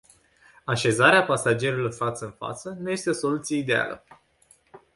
Așezarea pasagerilor față în față nu este o soluție ideală.